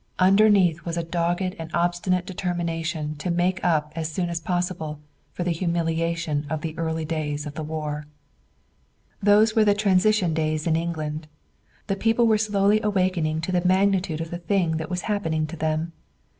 Underneath was a dogged and obstinate determination to make up as soon as possible for the humiliation of the early days of the war. Those were the transition days in England. The people were slowly awaking to the magnitude of the thing that was happening to them.